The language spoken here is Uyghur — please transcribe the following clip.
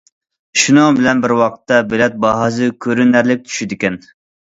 شۇنىڭ بىلەن بىر ۋاقىتتا بېلەت باھاسى كۆرۈنەرلىك چۈشىدىكەن.